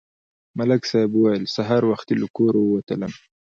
ملک صاحب ویل: سهار وختي له کوره ووتلم.